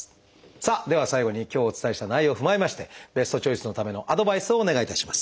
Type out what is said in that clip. さあでは最後に今日お伝えした内容を踏まえましてベストチョイスのためのアドバイスをお願いいたします。